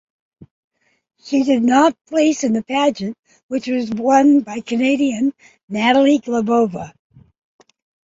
She did not place in the pageant, which was won by Canadian Natalie Glebova.